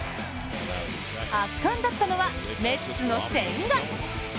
圧巻だったのは、メッツの千賀。